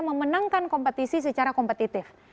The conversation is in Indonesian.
memenangkan kompetisi secara kompetitif